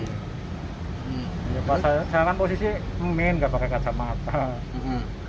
saya kan posisi main gak pakai kacamata